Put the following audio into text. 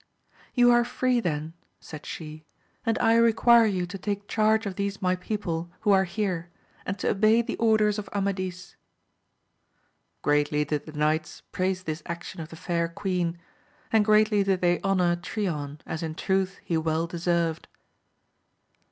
You are free then, said she, and I require you to take charge of these my people who are here, and to obey the orders of Amadis. Greatly did the knights praise this action of the fair queen, and greatly did they honour Trion, as in truth he well deserved.